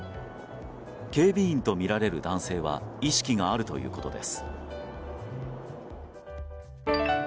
警備員とみられる男性は意識があるということです。